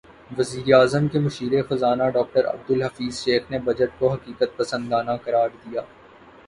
وزیراعظم کے مشیر خزانہ ڈاکٹر عبدالحفیظ شیخ نے بجٹ کو حقیقت پسندانہ قرار دیا